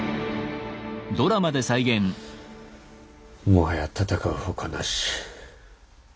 もはや戦う他なし。